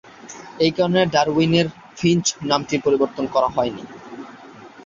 এ কারণে ডারউইনের ফিঞ্চ নামটিও পরিবর্তন করা হয়নি।